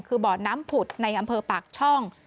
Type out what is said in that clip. คือบ่อน้ำผุดในอำเภอปากช่อง